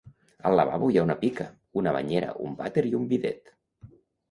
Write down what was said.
Al lavabo hi ha una pica, una banyera, un vàter i un bidet.